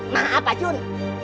maaf pak jun